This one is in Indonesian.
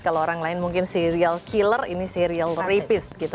kalau orang lain mungkin serial killer ini serial rapist